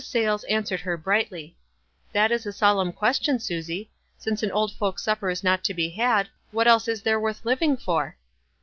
Sayles answered her, brightly, — "That is a solemn question, Susie. Since an old folks' supper is not to be had, what else is there worth living for?"